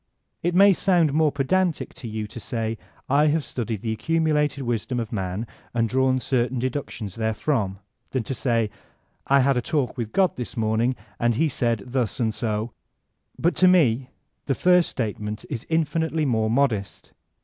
It may sound more pedantic to you to say, ''I have studied die accumulated wisdom of man, and drawn certain de ductkms therefrom, than to say ''I had a UDc with God this morning and he said thus and so'' ; but to me the first statement is infinitely more modest.